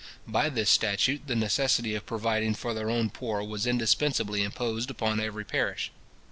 By this statute, the necessity of providing for their own poor was indispensably imposed upon every parish.